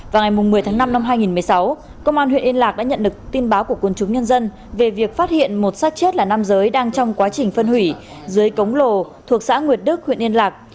vào ngày một mươi tháng năm năm hai nghìn một mươi sáu công an huyện yên lạc đã nhận được tin báo của quân chúng nhân dân về việc phát hiện một sát chết là nam giới đang trong quá trình phân hủy dưới cống lồ thuộc xã nguyệt đức huyện yên lạc